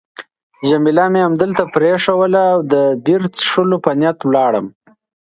جميله مې همدلته پرېښووله او د بیر څښلو په نیت ولاړم.